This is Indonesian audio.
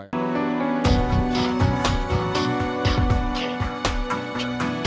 saya tidak mengerti kenapa saya dituduh ikut dalam perencanaan pembunuhan al mahum yosua